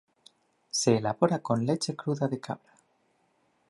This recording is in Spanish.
Se elabora con leche cruda de cabra.